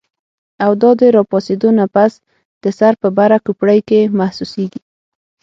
او دا د راپاسېدو نه پس د سر پۀ بره کوپړۍ کې محسوسيږي